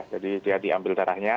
jadi dia diambil darahnya